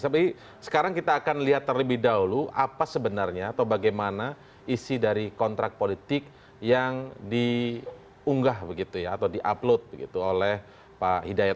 tapi sekarang kita akan lihat terlebih dahulu apa sebenarnya atau bagaimana isi dari kontrak politik yang diunggah begitu ya atau di upload oleh pak hidayat